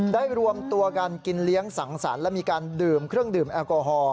รวมตัวกันกินเลี้ยงสังสรรค์และมีการดื่มเครื่องดื่มแอลกอฮอล